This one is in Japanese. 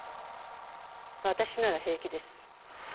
私なら平気です。